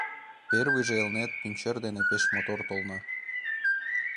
Первыйже Элнет пӱнчер дене пеш мотор толна.